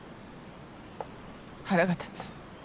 腹が立つ？